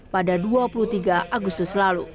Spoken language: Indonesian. pada dua puluh tiga agustus lalu